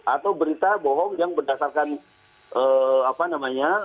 atau berita bohong yang berdasarkan apa namanya